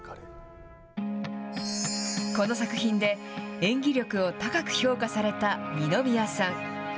この作品で演技力を高く評価された二宮さん。